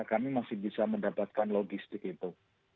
kami masih bisa mendapatkan logistik itu